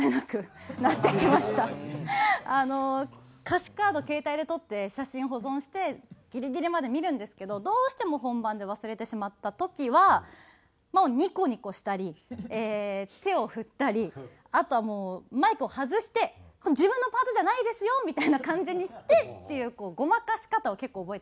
歌詞カードを携帯で撮って写真を保存してギリギリまで見るんですけどどうしても本番で忘れてしまった時はもうニコニコしたり手を振ったりあとはもうマイクを外して自分のパートじゃないですよみたいな感じにしてっていうごまかし方を結構覚えてきました。